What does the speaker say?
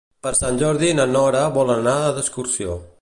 Per Sant Jordi na Nora vol anar d'excursió.